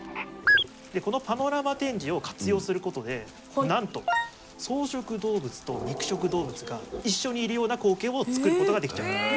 このパノラマ展示を活用することでなんと草食動物と肉食動物が一緒にいるような光景を作ることができちゃいます。